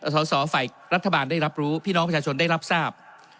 สอสอฝ่ายรัฐบาลได้รับรู้พี่น้องประชาชนได้รับทราบ